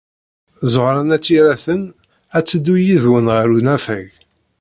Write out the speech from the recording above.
Ẓuhṛa n At Yiraten ad teddu yid-went ɣer unafag.